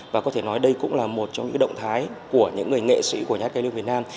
và có thể nói đây cũng là một trong những động thái của những người nghệ sĩ của nhà hát cải lương việt nam